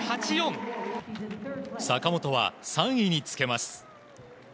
坂本は３位につけます。